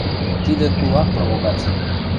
Тидӹ кулак провокаци.